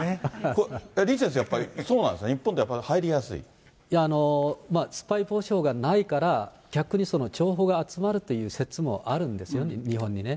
李先生、やっぱりそうなんでスパイ防止法がないから、逆に情報が集まるという説もあるんですよね、日本にね。